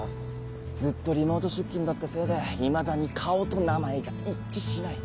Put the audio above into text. ずっとリモート出勤だったせいでいまだに顔と名前が一致しない。